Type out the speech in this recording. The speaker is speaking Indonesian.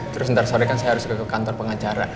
terus ntar sore kan saya harus ke kantor pengacara